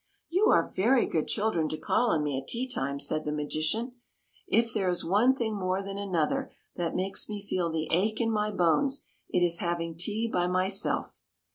" You are very good children to call on me at tea time," said the magician. '' If there is one thing more than another that makes me feel the ache in my bones, it is having tea by myself.